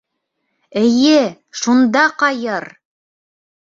— Эйе, шунда ҡайыр!